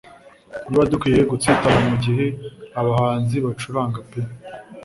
Niba dukwiye gutsitara mugihe abahanzi bacuranga pe